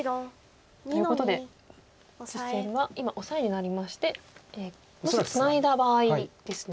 ということで実戦は今オサエになりましてもしツナいだ場合ですね。